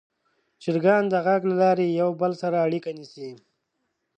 چرګان د غږ له لارې یو بل سره اړیکه نیسي.